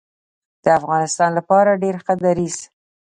د افغانستان لپاره ډیر ښه دریځ